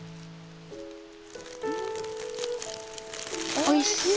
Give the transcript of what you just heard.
おいしい！